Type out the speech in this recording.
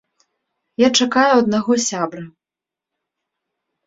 Я чакаю аднаго сябра.